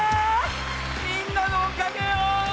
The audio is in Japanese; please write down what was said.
みんなのおかげよ！